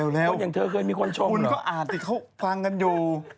ว่าอย่างเธอเคยมีคนชมเหรอคุณก็อ่านแต่เขาฟังกันอยู่